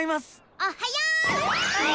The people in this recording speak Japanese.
おはよう！